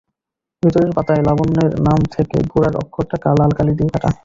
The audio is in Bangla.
ভিতরের পাতায় লাবণ্যর নাম থেকে গোড়ার অক্ষরটা লাল কালি দিয়ে কাটা।